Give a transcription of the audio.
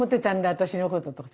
私のこととかさ